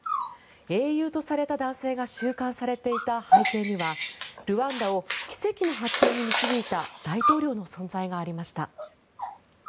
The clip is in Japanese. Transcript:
英雄とされた男性が収監されていた背景にはルワンダを奇跡の発展に導いた大統領の存在がありました。